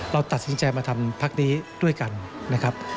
เราตัดสินใจมาทำพักนี้ด้วยกันนะครับ